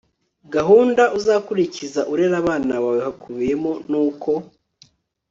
gahunda uzakurikiza urera abana bawe hakubiyemo n uko